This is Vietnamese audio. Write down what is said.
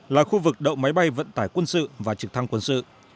là khu vực đậu máy bay vận tải quân sự và trực thăng quân sự